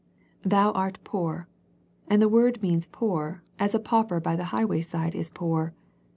" Thou art poor," and the word means poor as a pauper by the highway side is poor.